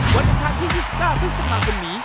วันท้ายที่๒๙พฤษภาพวันนี้